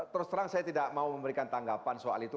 terus terang saya tidak mau memberikan tanggapan soal itu